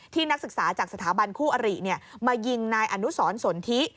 นักศึกษาจากสถาบันคู่อริมายิงนายอนุสรสนทิ